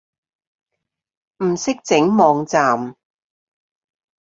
唔識整網站